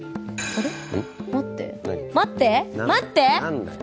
何だよ